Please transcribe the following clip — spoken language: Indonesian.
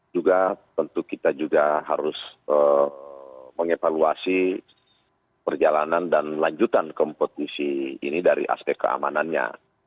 juga tentu kita juga harus mengevaluasi perjalanan dan lanjutan kompetisi ini dari aspek keamanannya